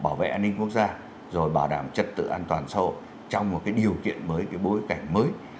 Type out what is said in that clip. bảo vệ an ninh quốc gia rồi bảo đảm chất tự an toàn sâu trong một điều kiện mới bối cảnh mới